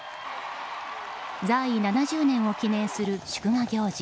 在位７０年を記念する祝賀行事